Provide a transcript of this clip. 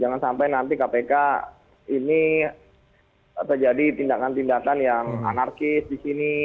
jangan sampai nanti kpk ini terjadi tindakan tindakan yang anarkis di sini